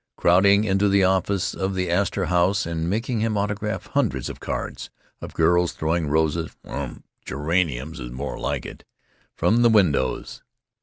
crowding into the office of the Astor House and making him autograph hundreds of cards; of girls throwing roses ("Humph! geraniums is more like it!") from the windows.